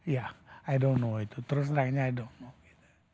ya i don t know itu terus lainnya i don t know